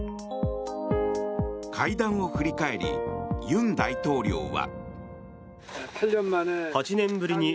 会談を振り返り尹大統領は。